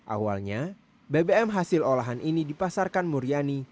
awalnya bbm hasil olahan ini dipasarkan muriani